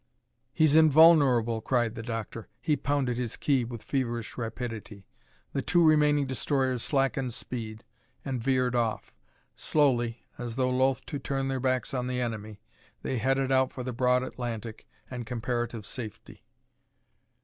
"He's invulnerable!" cried the doctor. He pounded his key with feverish rapidity. The two remaining destroyers slackened speed and veered off. Slowly, as though loath to turn their backs on the enemy, they headed out for the broad Atlantic and comparative safety.